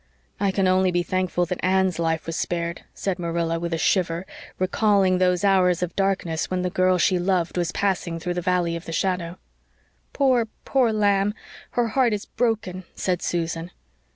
"I can only be thankful that Anne's life was spared," said Marilla, with a shiver, recalling those hours of darkness when the girl she loved was passing through the valley of the shadow. "Poor, poor lamb! Her heart is broken," said Susan.